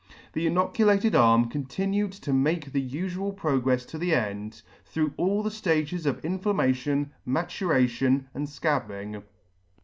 The inoculated arm continued to make the T 1©7 1 the ufual progrefs to the end, through all the ftages of inflam mation, maturation, and fcabbing.